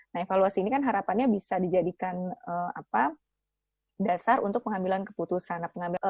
nah evaluasi ini kan harapannya bisa dijadikan dasar untuk pengambilan keputusan